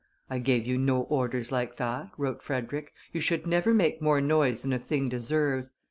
"I gave you no orders like that," wrote Frederick, "you should never make more noise than a thing deserves.